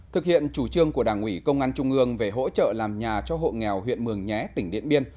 thực hiện chủ trương của đảng ủy công an trung ương về hỗ trợ làm nhà cho hộ nghèo huyện mường nhé tỉnh điện biên